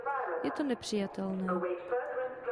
Je to nepřijatelné.